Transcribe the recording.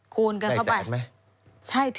คูณกันเข้าไปได้แสนไหม